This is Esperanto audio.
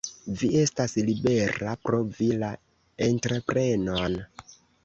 Vi estas libera, provi la entreprenon.